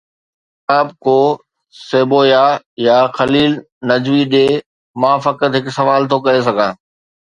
ان جو جواب ڪو سيبويه يا خليل نحوي ڏئي، مان فقط هڪ سوال ٿو ڪري سگهان.